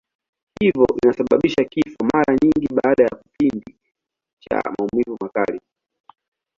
Hivyo inasababisha kifo, mara nyingi baada ya kipindi cha maumivu makali.